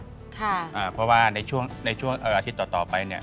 เพราะว่าในช่วงในช่วงอาทิตย์ต่อไปเนี่ย